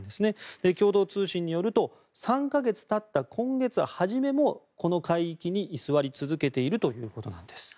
共同通信によると３か月たった今月初めもこの海域に居座り続けているということです。